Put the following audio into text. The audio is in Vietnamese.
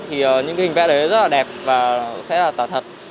thì những cái hình vẽ đấy rất là đẹp và sẽ là tả thật